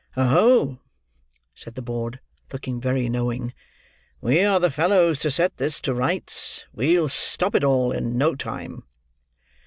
"Oho!" said the board, looking very knowing; "we are the fellows to set this to rights; we'll stop it all, in no time."